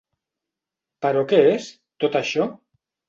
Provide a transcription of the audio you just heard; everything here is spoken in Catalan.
Però què és, tot això?